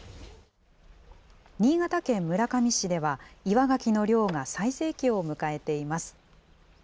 新潟県村上市では、岩ガキの漁が最盛期を迎えています。